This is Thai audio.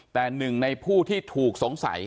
แต่หนึ่งในผู้ที่ถูกสงสัย